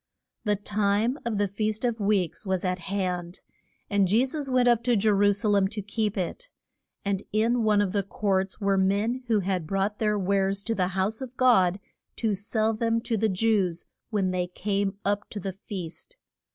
The time of the Feast of Weeks was at hand, and Je sus went up to Je ru sa lem to keep it. And in one of the courts were men who had brought their wares to the house of God to sell them to the Jews when they came up to the feast.